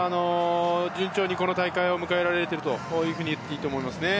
順調にこの大会を迎えられていると言っていいと思います。